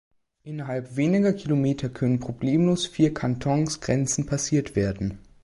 Innerhalb weniger Kilometer können problemlos vier Kantonsgrenzen passiert werden.